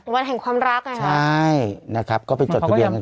วันแห่งความรักนะครับใช่นะครับก็ไปจดทะเบียนกัน